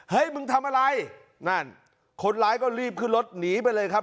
มึงทำอะไรนั่นคนร้ายก็รีบขึ้นรถหนีไปเลยครับ